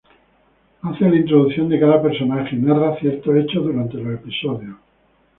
Hace la introducción de cada personaje y narra ciertos hechos durante los episodios.